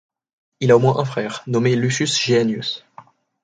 Il a au moins un frère, nommé Lucius Geganius.